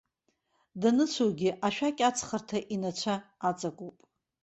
Даныцәоугьы, ашәақь аҵхарҭа инацәа аҵакуп.